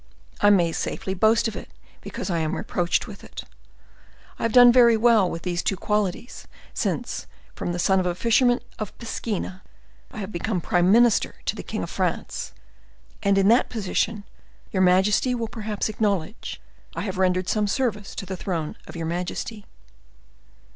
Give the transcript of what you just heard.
I may safely boast of it, because I am reproached with it. I have done very well with these two qualities, since, from the son of a fisherman of Piscina, I have become prime minister to the king of France; and in that position your majesty will perhaps acknowledge I have rendered some service to the throne of your majesty.